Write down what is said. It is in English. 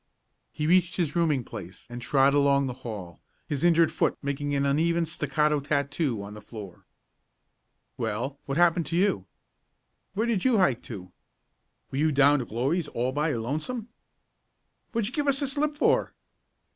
He reached his rooming place and trod along the hall, his injured foot making an uneven staccato tattoo on the floor. "Well, what happened to you?" "Where did you hike to?" "Were you down to Glory's all by your lonesome?" "What'd you give us the slip for?"